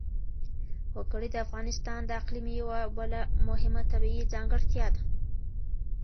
وګړي د افغانستان د اقلیم یوه بله مهمه طبیعي ځانګړتیا ده.